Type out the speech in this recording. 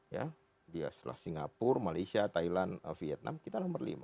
ya dia setelah singapura malaysia thailand vietnam kita nomor lima